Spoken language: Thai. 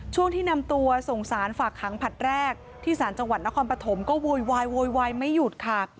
ช่วงที่นำตัวส่งสารฝากขังผลัดแรกที่สารจังหวัดนครปฐมก็โวยวายโวยวายไม่หยุดค่ะ